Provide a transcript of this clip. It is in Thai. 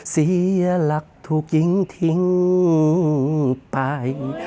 เสียหลักถูกยิงทิ้งไป